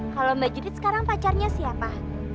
kalau mbak judit sekarang pacarnya siapa